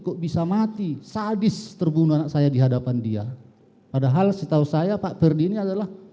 kok bisa mati sadis terbunuh anak saya di hadapan dia padahal setahu saya pak ferdi ini adalah